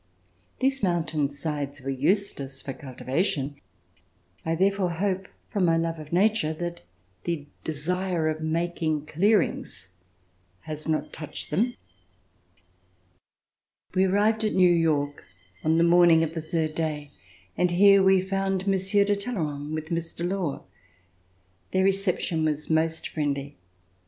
These mountain sides were useless for cultiva tion. I therefore hope, from my love of nature, that the desire of making clearings has not touched them. We arrived at New York on the morning of the third day and here we found Monsieur de Talley rand with Mr. Law. Their reception was most friendly.